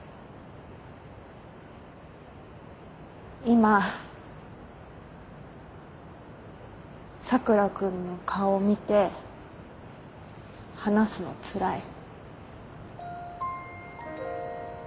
今佐倉君の顔見て話すのつらい。